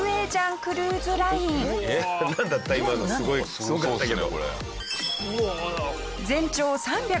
すごかったけど。